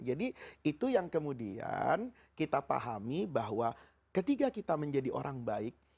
jadi itu yang kemudian kita pahami bahwa ketika kita menjadi orang baik